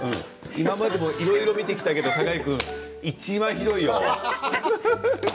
今までもいろいろ見てきたけどいちばんひどいよ。